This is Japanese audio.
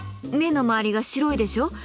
目の周りが白いでしょ。